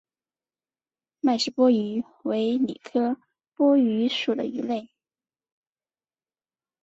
麦氏波鱼为鲤科波鱼属的鱼类。